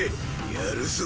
やるぞ。